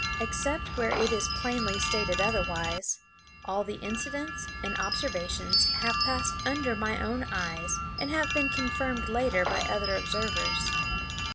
Except where it is plainly stated otherwise, all the incidents and observations have passed under my own eyes and have been confirmed later by other observers.